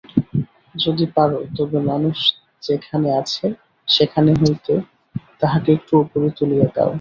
যদি পার তবে মানুষ যেখানে আছে, সেখান হইতে তাহাকে একটু উপরে তুলিয়া দাও।